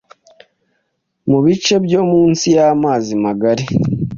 mu bice byo munsi y'amazi magari